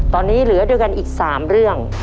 ตอนนี้เหลือด้วยกันอีก๓เรื่อง